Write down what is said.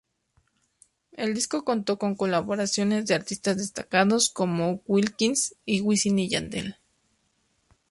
El disco contó con colaboraciones de artistas destacados, como Wilkins y Wisin y Yandel.